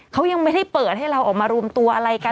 เขายังไม่ได้เปิดให้เราออกมารวมตัวอะไรกัน